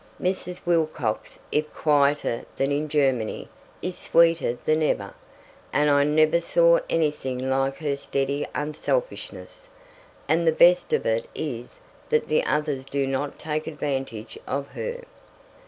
Mrs. Wilcox, if quieter than in Germany, is sweeter than ever, and I never saw anything like her steady unselfishness, and the best of it is that the others do not take advantage of her.